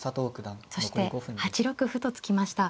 そして８六歩と突きました。